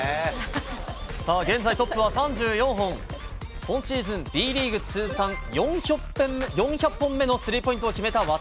さあ、現在トップは３４本、今シーズン、Ｂリーグ通算４００本目のスリーポイントを決めた渡邉。